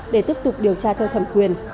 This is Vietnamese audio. để tiếp tục điều tra theo thẩm quyền